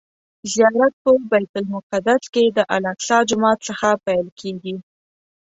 زیارت په بیت المقدس کې د الاقصی جومات څخه پیل کیږي.